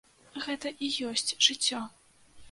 Гэта і ёсць жыццё!